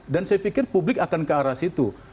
saya pikir publik akan ke arah situ